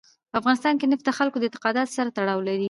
په افغانستان کې نفت د خلکو د اعتقاداتو سره تړاو لري.